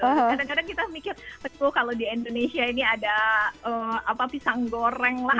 kadang kadang kita mikir teguh kalau di indonesia ini ada pisang goreng lah